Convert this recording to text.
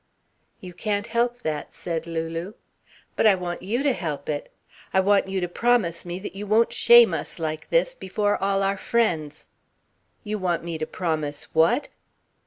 "You can't help that," said Lulu. "But I want you to help it. I want you to promise me that you won't shame us like this before all our friends." "You want me to promise what?"